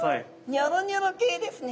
ニョロニョロ系ですね。